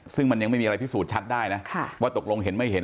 ซึ่งมันยังไม่มีอะไรพิสูจน์ชัดได้นะว่าตกลงเห็นไม่เห็น